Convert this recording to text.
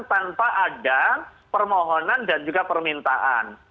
tanpa ada permohonan dan juga permintaan